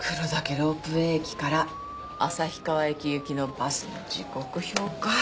ロープウエー駅から旭川駅行きのバスの時刻表か。